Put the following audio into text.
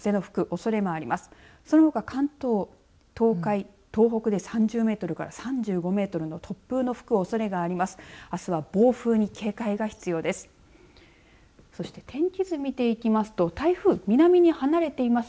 そのほか、関東、東海、東北で３０メートルから３５メートルの突風の吹くおそれがあります。